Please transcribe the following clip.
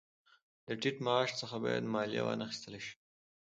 د ټیټ معاش څخه باید مالیه وانخیستل شي